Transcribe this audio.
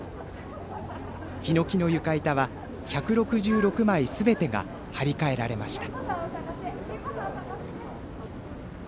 ひのきの床板は１６６枚すべてが張り替えられました。